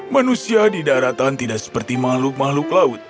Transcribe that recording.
manusia di daratan tidak seperti makhluk makhluk laut